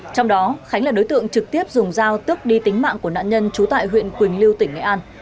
trong đó khánh là đối tượng trực tiếp dùng giao tước đi tính mạng của nạn nhân trú tại huyện quỳnh lưu tỉnh nghệ an